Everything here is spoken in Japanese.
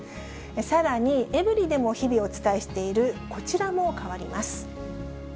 さらに、エブリィでも日々お伝えしている、こちらも変わります。